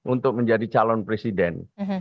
untuk menjadi calon presiden